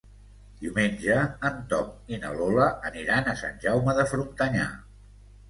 Diumenge en Tom i na Lola aniran a Sant Jaume de Frontanyà.